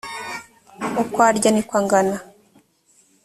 uko arya ni ko angana